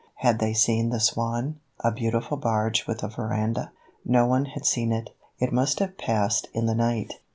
Had they seen the Swan, a beautiful barge with a veranda? No one had seen it. It must have passed in the night.